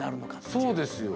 そうですよ。